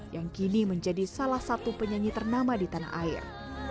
yang kini menjadi salah satu penyanyi ternama di tanah air